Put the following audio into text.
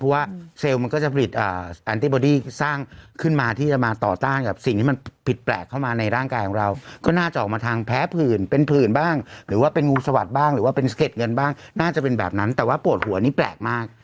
เพราะว่าเซลล์มันก็จะผลิตแอนติบอดี้สร้างขึ้นมาที่จะมาต่อต้านกับสิ่งที่มันผิดแปลกเข้ามาในร่างกายของเราก็น่าจะออกมาทางแพ้ผื่นเป็นผื่นบ้างหรือว่าเป็นงูสวัสดิบ้างหรือว่าเป็นสะเก็ดเงินบ้างน่าจะเป็นแบบนั้นแต่ว่าปวดหัวนี่แปลกมาก